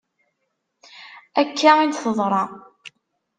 Akka i d-teḍra.